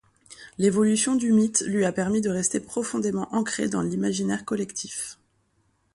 L'évolution du mythe lui a permis de rester profondément ancré dans l'imaginaire collectif.